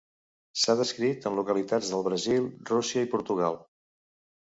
S'ha descrit en localitats del Brasil, Rússia i Portugal.